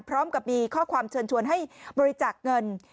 พร้อมกับมีข้อความเชิญชวนให้บริจาคเงิน